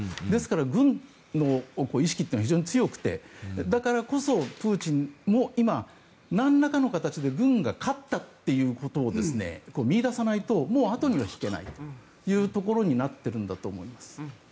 ですから軍の意識というのは非常に強くてだからこそプーチンも今、なんらかの形で軍が勝ったっていうことを見いださないと後には引けないというところになっているんだと思います。